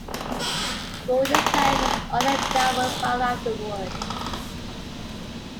Gordon's life was on a downward spiral afterward.